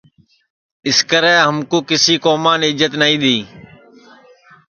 اِسکرے ہمکُو کیسی کُومان اِجت نائی دؔی